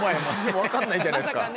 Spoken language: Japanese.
分かんないじゃないですか。